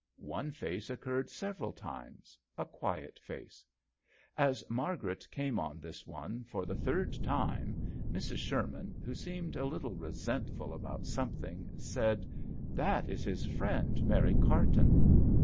One face occurred several times a quiet face. As Margaret came on this one for the third time, Mrs. Sherman, who seemed a little resentful about something, said "That is his friend, Mary Carton."